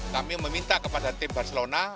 kami meminta kepada tim barcelona